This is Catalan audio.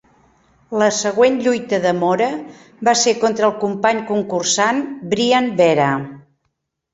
La següent lluita de Mora va ser contra el company concursant, Brian Vera.